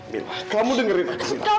mila kamu dengerin aku mila